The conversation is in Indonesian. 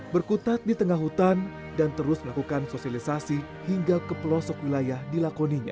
berkutat di tengah hutan dan terus melakukan sosialisasi hingga ke pelosok wilayah dilakoninya